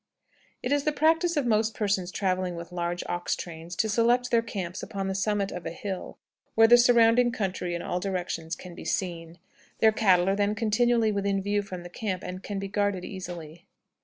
It is the practice of most persons traveling with large ox trains to select their camps upon the summit of a hill, where the surrounding country in all directions can be seen. Their cattle are then continually within view from the camp, and can be guarded easily.